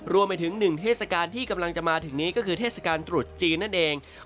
รวมไปถึงหนึ่งเทศกาลที่กำลังจะมาถึงนี้ก็คือเทศกาลตรุษจีนนั่นเอง